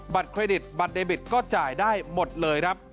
เครดิตบัตรเดบิตก็จ่ายได้หมดเลยครับ